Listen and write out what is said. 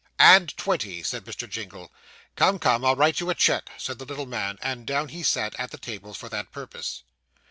'And twenty,' said Mr. Jingle. 'Come, come, I'll write you a cheque,' said the little man; and down he sat at the table for that purpose.